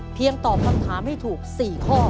เพียงตอบคำถามให้ถูก๔ข้อ